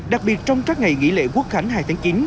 đặc biệt trong các ngày nghỉ lễ quốc khánh hai tháng chín